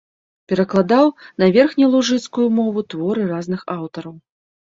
Перакладаў на верхнялужыцкую мову творы розных аўтараў.